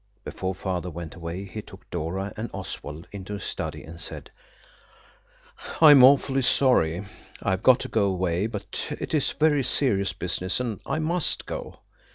Before Father went away he took Dora and Oswald into his study, and said– "I'm awfully sorry I've got to go away, but it is very serious business, and I must go.